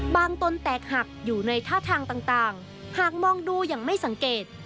ตนแตกหักอยู่ในท่าทางต่างหากมองดูอย่างไม่สังเกต